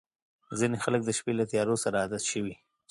• ځینې خلک د شپې له تیارو سره عادت شوي.